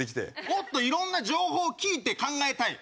もっと色んな情報を聞いて考えたい。